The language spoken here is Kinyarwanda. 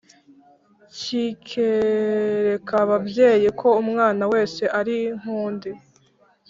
kikereka ababyeyi ko umwana wese ari nk’undi